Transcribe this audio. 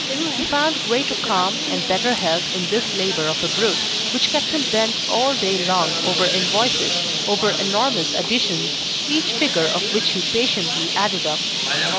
He found greater calm and better health in this labour of a brute which kept him bent all day long over invoices, over enormous additions, each figure of which he patiently added up.